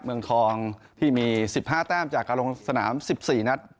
เมืองทองที่มีสิบห้าแต้มจากการลงสนามสิบสี่นัด